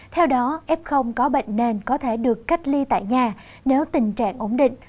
theo đó f có bệnh nền có thể được cách ly tại nhà nếu tình trạng ổn định